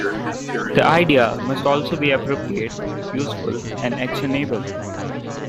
The idea must also be appropriate-useful and actionable.